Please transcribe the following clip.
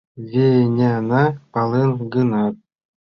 Веняна, пален гынат